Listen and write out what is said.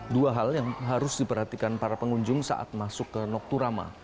dua hal yang harus diperhatikan para pengunjung saat masuk ke nokturama